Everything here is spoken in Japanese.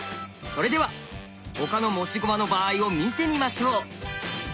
それでは他の持ち駒の場合を見てみましょう。